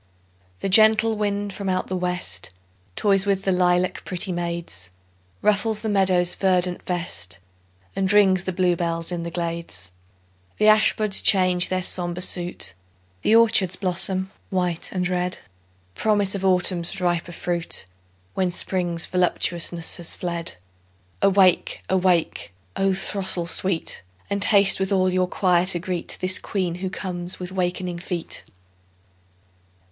The gentle wind from out the west Toys with the lilac pretty maids; Ruffles the meadow's verdant vest, And rings the bluebells in the glades; The ash buds change their sombre suit, The orchards blossom white and red— Promise of Autumn's riper fruit, When Spring's voluptuousness has fled. Awake! awake, O throstle sweet! And haste with all your choir to greet This Queen who comes with wakening feet.